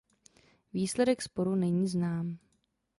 Výsledek sporu není znám.